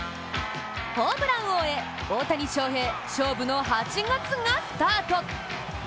ホームラン王へ、大谷翔平勝負の８月がスタート。